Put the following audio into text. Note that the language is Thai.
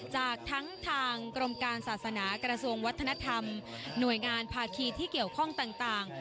จากทั้งทางกรมการศาสนากระทรวงวัฒนธรรมหน่วยงานภาคีที่เกี่ยวข้องต่าง